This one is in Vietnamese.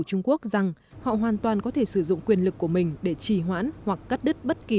trung quốc rằng họ hoàn toàn có thể sử dụng quyền lực của mình để trì hoãn hoặc cắt đứt bất kỳ